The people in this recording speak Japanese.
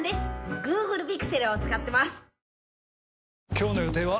今日の予定は？